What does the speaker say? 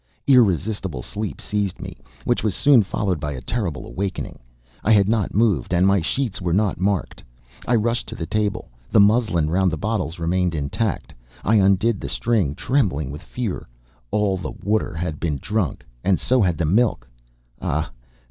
Irresistible sleep seized me, which was soon followed by a terrible awakening. I had not moved, and my sheets were not marked. I rushed to the table. The muslin round the bottles remained intact; I undid the string, trembling with fear. All the water had been drunk, and so had the milk! Ah!